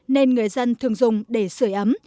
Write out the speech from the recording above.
nên người dân thường dùng để sửa ấm